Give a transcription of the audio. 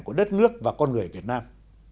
của đất nước và con người việt nam